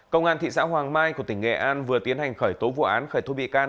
công an thị xã hoàng mai của tỉnh nghệ an vừa tiến hành khởi tố vụ án khởi thu bị can